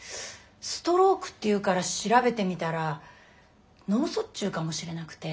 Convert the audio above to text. ストロークっていうから調べてみたら脳卒中かもしれなくて。